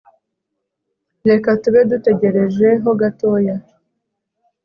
reka tube dutegereje ho gatoya